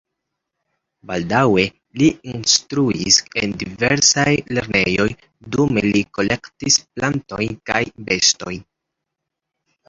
Baldaŭe li instruis en diversaj lernejoj, dume li kolektis plantojn kaj bestojn.